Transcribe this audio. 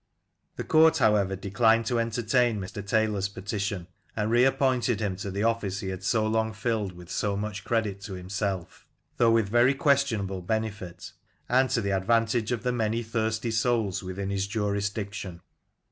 The Court, however, declined to entertain Mr. Taylor's petition, and reappointed him to the office he had so long filled with so much credit to himself — ^though with very questionable benefit — and to the advantage of the many thirsty souls within his jurisdiction.